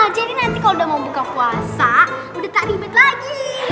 jadi nanti kalau udah mau buka puasa udah tak ribet lagi